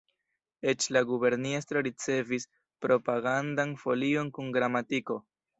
Eĉ la guberniestro ricevis propagandan folion kun gramatiko.